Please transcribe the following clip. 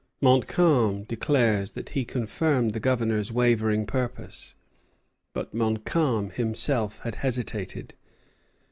Montcalm declares that he confirmed the Governor's wavering purpose; but Montcalm himself had hesitated.